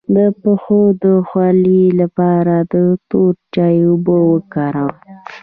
د پښو د خولې لپاره د تور چای اوبه وکاروئ